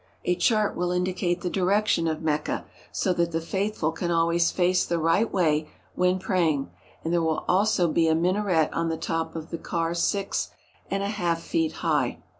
A chart will indicate the direction of Mecca, so that the Faithful can always face the right way when praying, and there will also be a minaret on the top of the car six and a half feet high.